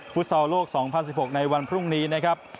ซอลโลก๒๐๑๖ในวันพรุ่งนี้นะครับ